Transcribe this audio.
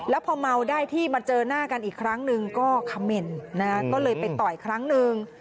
แล้วพอเมาได้ที่มาเจอหน้ากันอีกครั้งหนึ่งก็คำเหม็นก็เลยไปต่อยครั้งหนึ่ง